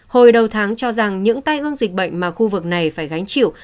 hồi đầu tháng cho rằng những tai ương dịch bệnh mà khu vực này phải gánh chịu